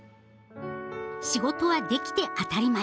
仕事はできて当たり前。